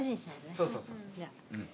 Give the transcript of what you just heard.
そうそうそう。